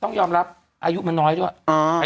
ต้องยอมรับอายุมันน้อยด้วย